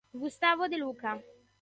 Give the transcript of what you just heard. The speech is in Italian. Gustavo De Luca